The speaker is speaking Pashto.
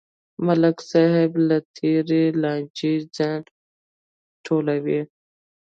ملک صاحب له تېرې لانجې ځان ټولوي.